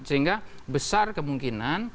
sehingga besar kemungkinan